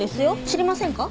知りませんか？